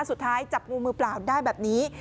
สุดท้ายจับงูมือเปล่าได้แบบนี้